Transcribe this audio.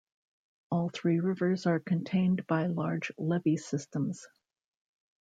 All three rivers are contained by large levee systems.